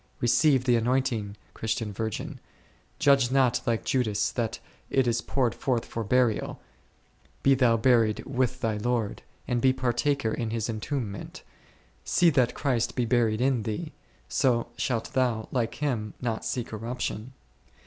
Receive the anointing, Christian virgin, grudge not like Judas that it is poured forth for burial, be thou buried with thy Lord, and be partaker in His entombment, see that Christ be buried in thee, so shalt thou, like Him, not see corruption.